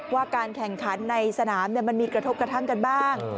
ว่าการแข่งขันในสนามมันมีกระทบกระทั่งกันบ้าง